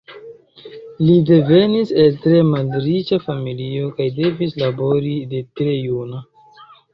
Li devenis el tre malriĉa familio kaj devis labori de tre juna.